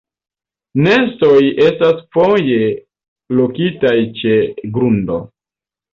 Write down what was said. Nestoj estas foje lokitaj ĉe grundo.